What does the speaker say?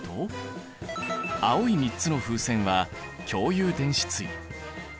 青い３つの風船は共有電子対。